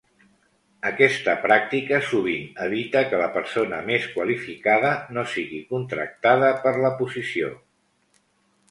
Aquesta pràctica sovint evita que la persona més qualificada no sigui contractada per la posició.